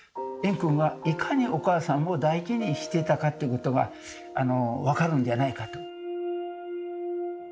円空がいかにお母さんを大事にしてたかということが分かるんじゃないかと。